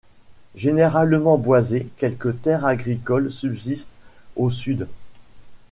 Généralement boisé, quelques terres agricoles subsistent au sud.